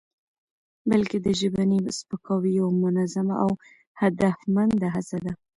بلکې د ژبني سپکاوي یوه منظمه او هدفمنده هڅه ده؛